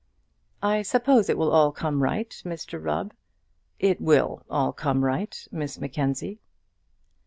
"I suppose it will all come right, Mr Rubb." "It will all come right, Miss Mackenzie."